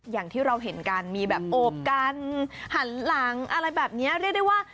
อย่างที่เราเห็นกันมีแบบโอบกันหันหลังอะไรแบบนี้เรียกได้ว่า